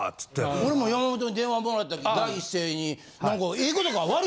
俺も山本に電話もらったとき第一声に。